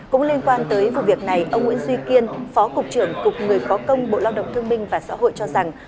cũng liên quan tới vụ việc này ông nguyễn duy kiên phó cục trưởng cục người có công bộ lao động thương minh và xã hội cho rằng